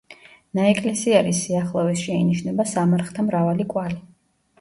ნაეკლესიარის სიახლოვეს შეინიშნება სამარხთა მრავალი კვალი.